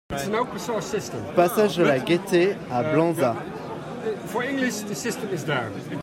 Passage de la Gaité à Blanzat